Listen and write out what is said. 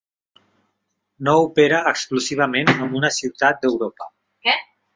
No opera exclusivament en una ciutat d'Europa.